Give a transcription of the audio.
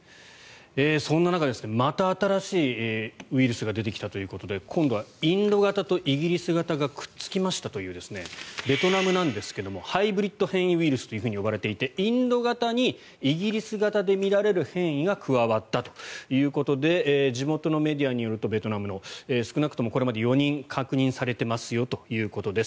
そんな中、また新しいウイルスが出てきたということで今度はインド型とイギリス型がくっつきましたというベトナムなんですがハイブリッド変異ウイルスと呼ばれていてインド型にイギリス型でみられる変異が加わったということでベトナムの地元のメディアによると少なくともこれまで４人確認されていますよということです。